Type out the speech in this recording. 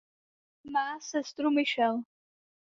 Má sestru Michelle.